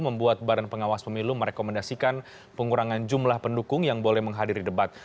membuat badan pengawas pemilu merekomendasikan pengurangan jumlah pendukung yang boleh menghadiri debat